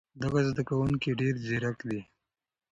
دغه زده کوونکی ډېر ځیرک دی.